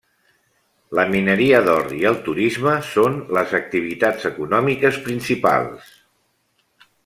La mineria d'or i el turisme són les activitats econòmiques principals.